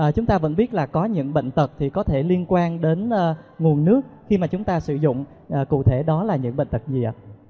chúng ta vẫn biết là có những bệnh tật thì có thể liên quan đến nguồn nước khi mà chúng ta sử dụng cụ thể đó là những bệnh tật dìa